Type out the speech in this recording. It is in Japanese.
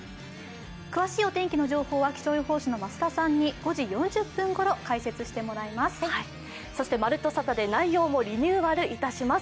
詳しいお天気の情報は、気象予報士の増田さんに５時４０分ごろ解説していただきます。